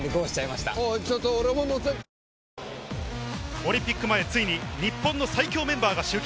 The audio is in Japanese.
オリンピック前、ついに日本の最強メンバーが集結。